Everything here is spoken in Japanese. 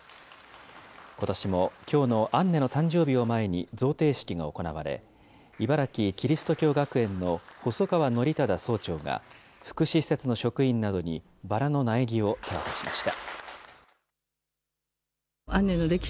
ことしもきょうのアンネの誕生日を前に、贈呈式が行われ、茨城キリスト教学園の細川知正総長が、福祉施設の職員などにバラの苗木を手渡しました。